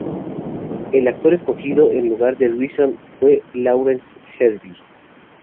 El actor escogido en lugar de Reason fue Laurence Harvey.